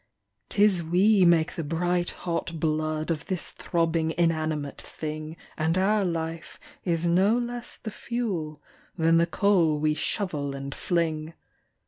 "'Tis we make the bright hot blood Of this throbbing inanimate thing; And our life is no less the fuel Than the coal we shovel and fling.